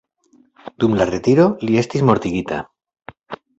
Dum la retiro, li estis mortigita.